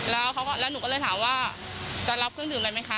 แล้วหนูก็เลยถามว่าจะรับเครื่องดื่มอะไรไหมคะ